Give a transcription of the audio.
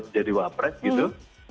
menjadi wapret gitu